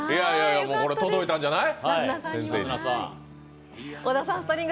これ、届いたんじゃない？